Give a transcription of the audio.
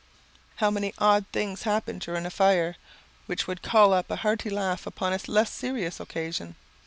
How many odd things happen during a fire, which would call up a hearty laugh upon a less serious occasion.